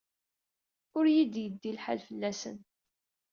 Ur iyi-d-yeddi lḥal fell-asen.